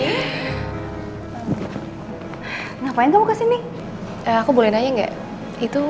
hai ngecil ngapain kamu kesini aku boleh nanya enggak itu